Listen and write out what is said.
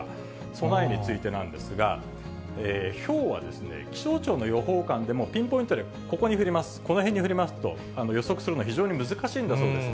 備えについてなんですが、ひょうは気象庁の予報官でもピンポイントで、ここに降ります、この辺に降りますと、予測するのは非常に難しいんだそうです。